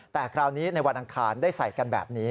แต่คราวนี้ในวันอังคารได้ใส่กันแบบนี้